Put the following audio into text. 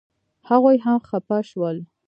هغوی هم خپه شول.